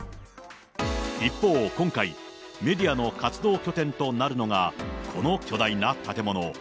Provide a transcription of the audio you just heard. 一方、今回、メディアの活動拠点となるのが、この巨大な建物。